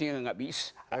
ini enggak bisa